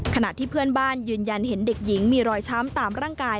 ขณะที่เพื่อนบ้านยืนยันเห็นเด็กหญิงมีรอยช้ำตามร่างกาย